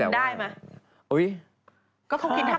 ปล่อยเครื่องมันก็เป็นหอยไม่ใช่เหรอ